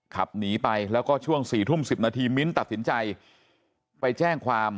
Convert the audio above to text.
ขับหนีไปแล้วก็ช่วง๔ทุ่ม๑๐นาทีมิ้นตัดสินใจไปแจ้งความ